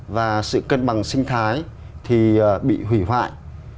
và sự cân bằng sinh thái thì bị hủy hoại